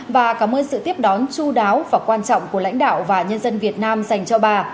và cảm ơn sự tiếp đón chú đáo và quan trọng của lãnh đạo và nhân dân việt nam dành cho bà